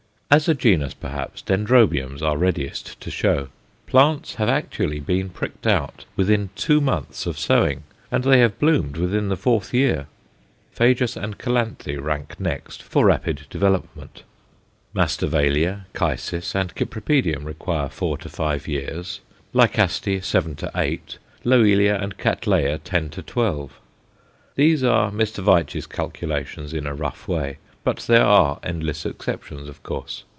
As a genus, perhaps, Dendrobiums are readiest to show. Plants have actually been "pricked out" within two months of sowing, and they have bloomed within the fourth year. Phajus and Calanthe rank next for rapid development. Masdevallia, Chysis, and Cypripedium require four to five years, Lycaste seven to eight, Loelia and Cattleya ten to twelve. These are Mr. Veitch's calculations in a rough way, but there are endless exceptions, of course.